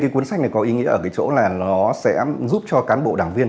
cuốn sách này có ý nghĩa ở chỗ là nó sẽ giúp cho cán bộ đảng viên